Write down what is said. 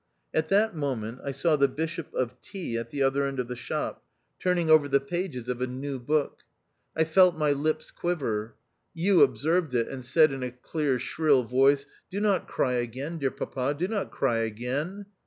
At that moment I saw the Bishop of T at the other end of the shop, turning over the pages of a new book. I felt my lips quiver. You observed it, and said in a clear shrill voice, "Do not cry again, dear papa, do not cry again."